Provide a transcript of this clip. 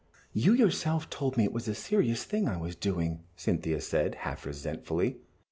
"You yourself told me it was a serious thing I was doing," Cynthia said, half resentfully.